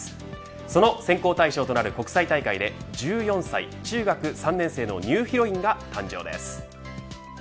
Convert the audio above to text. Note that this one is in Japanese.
その選考対象となる国際大会で１４歳、中学３年生のニューヒロインが誕生です。